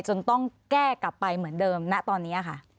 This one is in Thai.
จนต้องแก้กลับไปเหมือนเดิมณตอนนี้ค่ะ